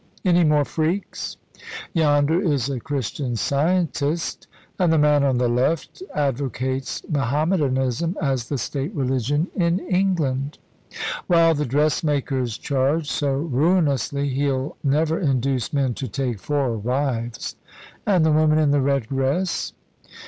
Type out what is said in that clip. Any more freaks?" "Yonder is a Christian Scientist. And the man on the left advocates Mahomedanism as the State religion in England." "While the dressmakers charge so ruinously, he'll never induce men to take four wives. And the woman in the red dress?"